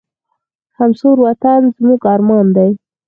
سمسور وطن زموږ ارمان دی.